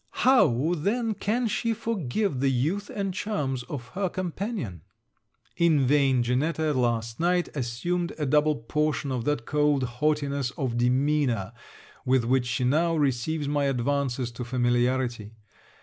How then can she forgive the youth and charms of her companion? In vain Janetta last night assumed a double portion of that cold haughtiness of demeanour with which she now receives my advances to familiarity.